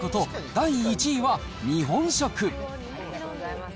第１位は日本食。